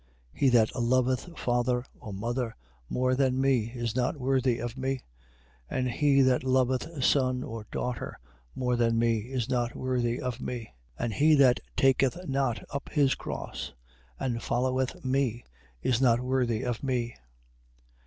10:37. He that loveth father or mother more than me, is not worthy of me; and he that loveth son or daughter more than me, is not worthy of me. 10:38. And he that taketh not up his cross, and followeth me, is not worthy of me.